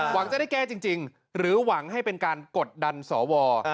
หวังจะได้แก้จริงหรือหวังให้เป็นการกดดันสว